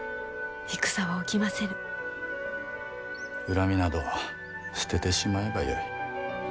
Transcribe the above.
恨みなど捨ててしまえばよい。